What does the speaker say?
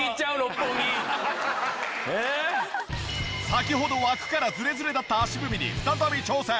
先ほど枠からズレズレだった足踏みに再び挑戦。